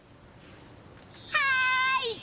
はい！